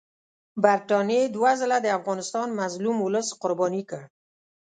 برټانیې دوه ځله د افغانستان مظلوم اولس قرباني کړ.